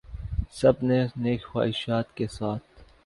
سب نے نیک خواہشات کے ساتھ